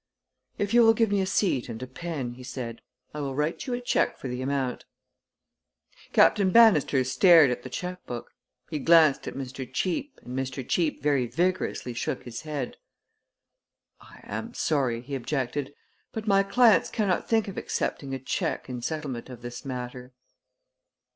"If you will give me a seat and a pen," he said, "I will write you a check for the amount." Captain Bannister stared at the checkbook. He glanced at Mr. Cheape and Mr. Cheape very vigorously shook his head. "I am sorry," he objected; "but my clients cannot think of accepting a check in settlement of this matter."